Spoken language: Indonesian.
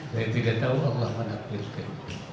saya tidak tahu allah menaklirkan